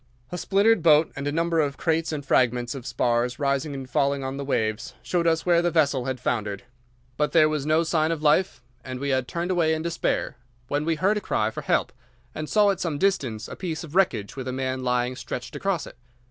A splintered boat and a number of crates and fragments of spars rising and falling on the waves showed us where the vessel had foundered; but there was no sign of life, and we had turned away in despair when we heard a cry for help, and saw at some distance a piece of wreckage with a man lying stretched across it.